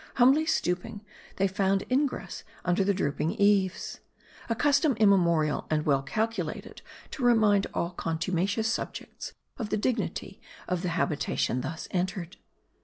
Humbly stooping, they found ingress under the drooping eaves. A custom immemorial, and well calculated to remind all contumacious subjects of the dignity of the habitation thus entered.